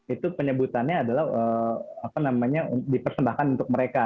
itu penyebutannya adalah apa namanya dipersembahkan untuk mereka